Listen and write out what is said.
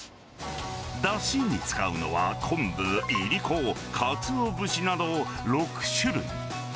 だしに使うのは昆布、いりこ、かつお節など６種類。